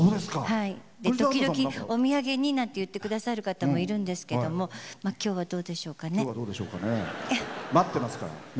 時々、お土産になんて言ってくださる方もいるんですけど今日はどうでしょうかね？